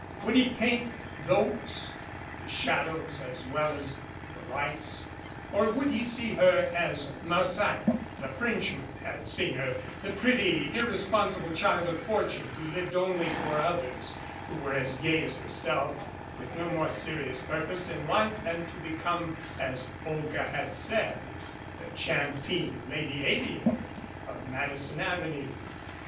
Would he paint those the shadows as well as the lights? Or would he see her as Marsac, the Frenchman, had seen her, the pretty, irre sponsible child of fortune who lived only for others who were as gay as herself with no more serious purpose in life than to become, as Olga had said, "the champeen lady aviator of Madison Avenue."